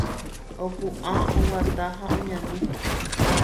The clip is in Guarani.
Opu'ã, oguata ha oñani.